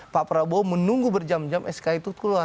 pak prabowo menunggu berjam jam sk itu keluar